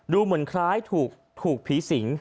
ดูเหมือนคล้ายถูกผีสิง